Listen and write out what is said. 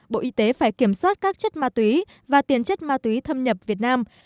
bộ y tế phải kiểm soát các chất ma túy và tiền chất ma túy thâm nhập việt nam